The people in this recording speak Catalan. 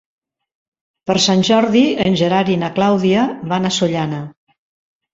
Per Sant Jordi en Gerard i na Clàudia van a Sollana.